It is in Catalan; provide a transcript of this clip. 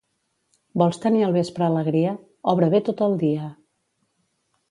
Vols tenir al vespre alegria? Obra bé tot el dia.